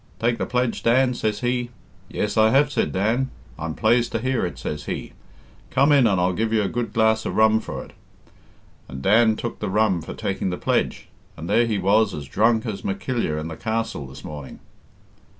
'Taken the pledge, Dan?' says he. 'Yes, I have,' says Dan. 'I'm plazed to hear it,' says he; 'come in and I'll give you a good glass of rum for it.' And Dan took the rum for taking the pledge, and there he was as drunk as Mackilley in the castle this morning."